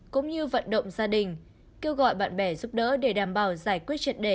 cũng như vận động gia đình kêu gọi bạn bè giúp đỡ để đảm bảo giải quyết triệt đề